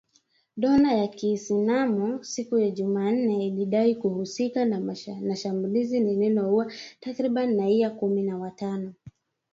Dola ya Kiislamu siku ya Jumanne ilidai kuhusika na shambulizi lililoua takribani raia kumi na watano.